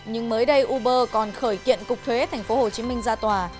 nhưng mới đây uber còn khởi kiện cục thuế tp hcm ra tòa